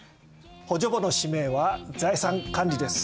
補助簿の使命は財産管理です。